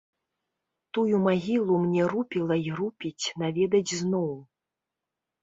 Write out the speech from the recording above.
Тую магілу мне рупіла і рупіць наведаць зноў.